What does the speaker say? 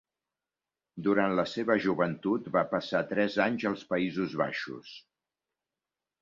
Durant la seva joventut, va passar tres anys als Països Baixos.